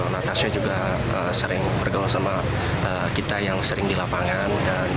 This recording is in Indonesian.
natasha juga sering bergaul sama kita yang sering di lapangan